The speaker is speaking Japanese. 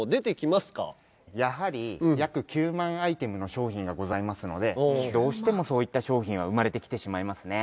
やはり約９万アイテムの商品がございますのでどうしてもそういった商品は生まれてきてしまいますね。